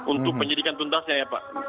untuk penyidikan tuntasnya ya pak